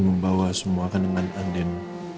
membawa semua kan dengan andin